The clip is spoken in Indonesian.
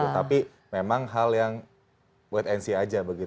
tapi memang hal yang wait and see aja begitu sampai saat ini